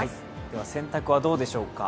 では洗濯はどうでしょうか。